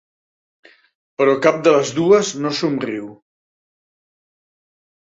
Però cap de les dues no somriu.